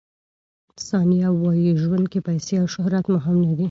ثانیه وايي، ژوند کې پیسې او شهرت مهم نه دي.